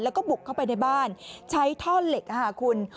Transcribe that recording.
แล้วก็บุกเข้าไปในบ้านใช้ท่อนเหล็กค่ะคุณ